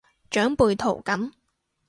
長輩圖噉